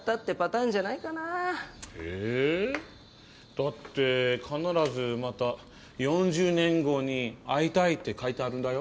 だって必ずまた４０年後に会いたいって書いてあるんだよ。